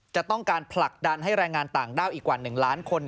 จะต้องการผลักดันให้แรงงานต่างด้าวอีกกว่า๑ล้านคน